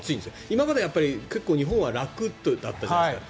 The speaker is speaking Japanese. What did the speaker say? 今までは結構日本は楽だったじゃないですか。